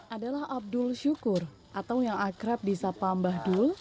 adalah abdul syukur atau yang akrab di sapa mbahdul